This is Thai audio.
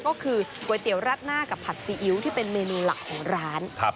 ก็คือก๋วยเตี๋ยวรัดหน้ากับผัดซีอิ๊วที่เป็นเมนูหลักของร้าน